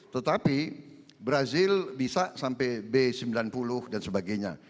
tetapi brazil bisa sampai b sembilan puluh dan sebagainya